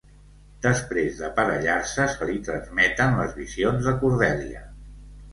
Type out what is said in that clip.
Després d'aparellar-se, se li transmeten les visions de Cordèlia.